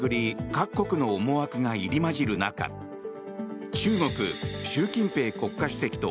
各国の思惑が入り混じる中中国、習近平国家主席と